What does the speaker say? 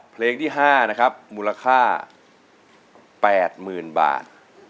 เพลงที่๕นะครับมูลค่า๘๐๐๐บาท